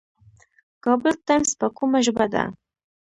کابل ټایمز په کومه ژبه ده؟